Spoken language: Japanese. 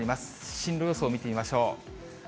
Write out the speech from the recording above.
進路予想を見てみましょう。